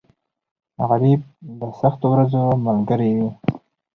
غریب د سختو ورځو ملګری وي